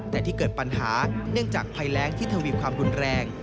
แต่ที่เกิดปัญหาเนื่องจากภัยแรงที่ทวีความรุนแรง